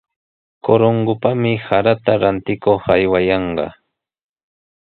Corongopami sarata rantikuq aywayanqa.